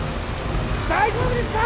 大丈夫ですか！？